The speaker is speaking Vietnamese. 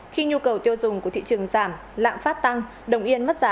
khi nhu cầu tiêu dùng của thị trường giảm lạm phát tăng đồng yên mất giá